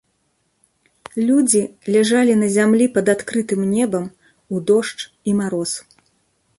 Людзі ляжалі на зямлі пад адкрытым небам у дождж і мароз.